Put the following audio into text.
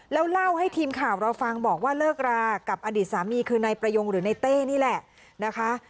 แล้วเล่าให้ทีมข่าวเราฟังบอกว่าเลิกรากับอดีตสามีคือนายประยงหรือในเต้นี่แหละนะคะ